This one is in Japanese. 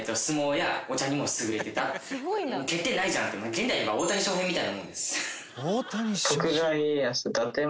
現代で言えば大谷翔平みたいなものです。